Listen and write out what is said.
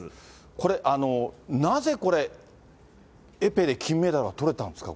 これ、なぜこれ、エペで金メダルをとれたんですか？